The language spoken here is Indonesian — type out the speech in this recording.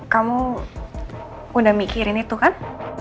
kamu udah mikirin itu kan